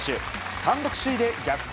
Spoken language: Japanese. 単独首位で逆転